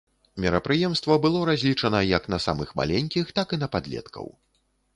Мерапрыемства было разлічана як на самых маленькіх, так і на падлеткаў.